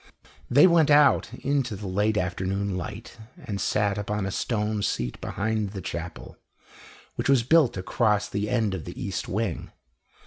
They went out into the late afternoon light, and sat upon a stone seat behind the chapel, which was built across the end of the east wing.